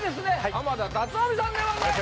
濱田龍臣さんでございます